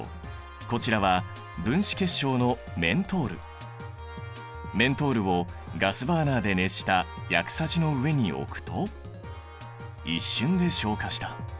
こちらはメントールをガスバーナーで熱した薬さじの上に置くと一瞬で昇華した。